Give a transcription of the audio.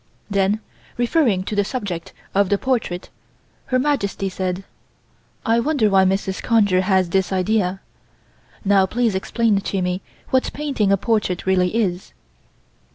Then, referring to the subject of the portrait Her Majesty said: "I wonder why Mrs. Conger has this idea. Now please explain to me what painting a portrait really is."